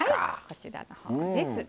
こちらのほうです。